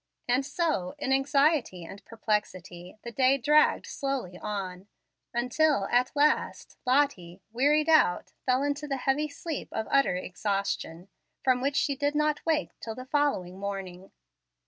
And so, in anxiety and perplexity, the day dragged slowly on, until, at last, Lottie, wearied out, fell into the heavy sleep of utter exhaustion, from which she did not wake till the following morning.